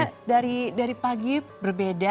karena dari pagi berbeda